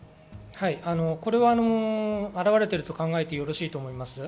表れてると考えてよろしいと思います。